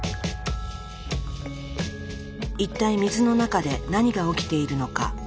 一体水の中で何が起きているのか？